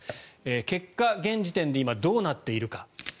結果、現時点で今、どうなっているか。